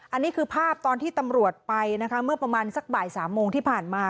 อันนี้คือภาพตอนที่ตำรวจไปนะคะเมื่อประมาณสักบ่ายสามโมงที่ผ่านมา